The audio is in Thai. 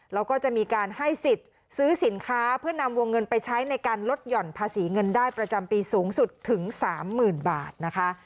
แล้วก็จะมีการให้สิทธิ์ซื้อสินค้าเพื่อนำวงเงินไปใช้ในการลดหย่อนภาษีเงินได้ประจำปีสูงสุดถึง๓๐๐๐บาทนะคะ